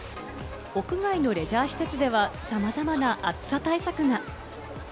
屋外のレジャー施設ではさまざまな暑さ対策が。